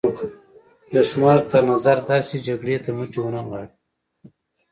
دښمن تر نظر درشي جګړې ته مټې ونه نغاړئ.